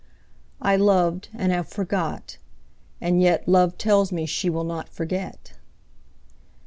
I loved, and have forgot, And yet Love tells me she will not Forget.